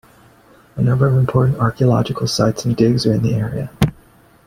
A number of important archaeological sites and digs are in the area.